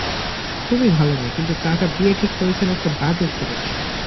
খুবই ভালো মেয়ে, কিন্তু চাচা বিয়ে ঠিক করেছেন একটা বাজে ছেলের সঙ্গে।